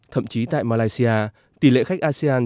thậm chí tại malaysia tỷ lệ khách asean